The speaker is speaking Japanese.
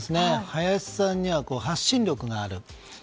林さんには発信力がある。